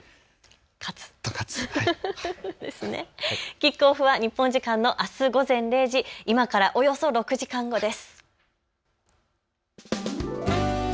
キックオフは日本時間のあす午前０時、今からおよそ６時間後です。